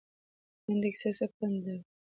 لنډې کیسې څه پند لري؟